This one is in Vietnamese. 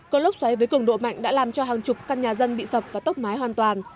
cơn lốc xoáy với cường độ mạnh đã làm cho hàng chục căn nhà dân bị sập và tốc mái hoàn toàn